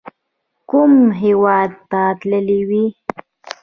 کوم هیواد ته تللي وئ؟